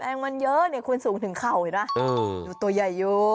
แรงมันเยอะคุณสูงถึงเข่าใช่ไหมดูตัวใหญ่อยู่